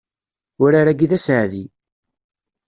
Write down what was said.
Urar-agi d aseɛdi.